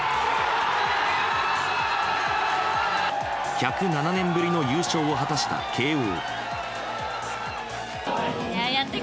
１０７年ぶりの優勝を果たした慶應。